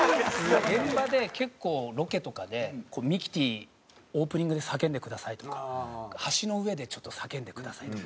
現場で結構ロケとかで「“ミキティ”オープニングで叫んでください」とか「橋の上でちょっと叫んでください」とか。